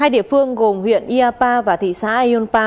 hai địa phương gồm huyện iapa và thị xã yonpa